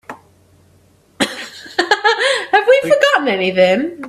Have we forgotten anything?